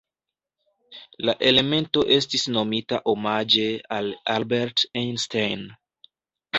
La elemento estis nomita omaĝe al Albert Einstein.